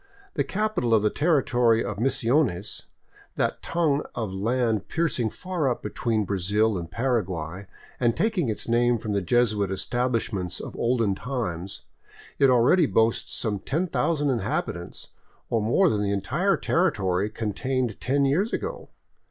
The capital of the territory of Misiones, that tongue of land piercing far up between Brazil and Paraguay and taking its name from the Jesuit establishments of olden times, it already boasts some ten thousand inhabitants, or more than the entire territory contained ten years ago.